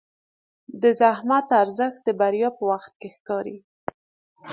د زحمت ارزښت د بریا په وخت ښکاري.